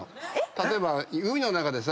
例えば海の中でさ。